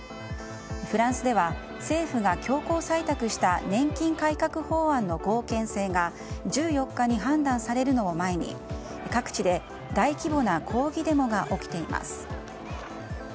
フランスでは政府が強行採択した年金改革法案の合憲性が１４日に判断されるのを前に各地で大規模な抗議デモが起きています。